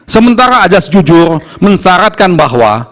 sementara ajas jujur mensyaratkan bahwa